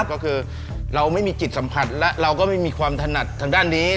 ก็คือเราไม่มีจิตสัมผัสและเราก็ไม่มีความถนัดทางด้านนี้